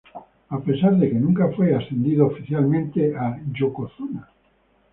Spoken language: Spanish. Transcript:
A pesar de que nunca fue ascendido oficialmente a"yokozuna".